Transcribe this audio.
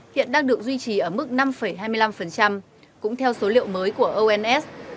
hiện đang được duy trì ở mức năm hai mươi năm cũng theo số liệu mới của ons